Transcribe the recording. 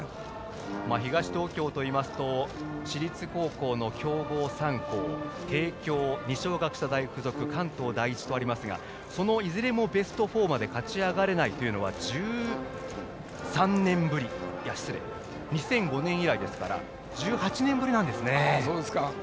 東東京といいますと私立高校の強豪３校帝京、二松学舎大付属関東第一とありますがそのいずれもベスト４まで勝ち上がれないのは２００５年以来ですから１８年ぶりなんですね。